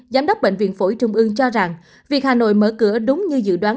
giám đốc bệnh viện phổi trung ương cho rằng việc hà nội mở cửa đúng như dự đoán